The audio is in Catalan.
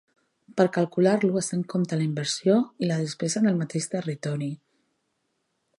Per calcular-lo es té en compte la inversió i la despesa en el mateix territori.